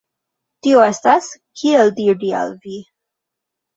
Tio estas, kiel diri al vi?